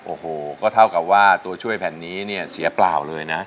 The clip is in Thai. โอ้โหก็เท่ากับว่าตัวช่วยแผ่นนี้เนี่ยเสียเปล่าเลยนะ